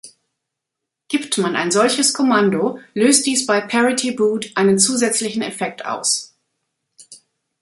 Gibt man ein solches Kommando, löst dies bei Parity Boot einen zusätzlichen Effekt aus.